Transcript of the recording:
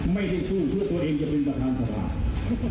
ไม่ได้สู้เพื่อตัวเองจะเป็นประธานสภา